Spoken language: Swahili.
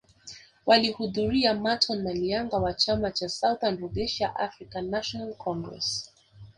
Walihudhuria Marton Malianga wa chama cha Southern Rhodesia African National Congress